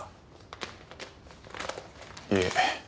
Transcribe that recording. いえ。